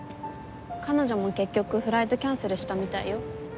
彼女も結局フライトキャンセルしたみたいよ。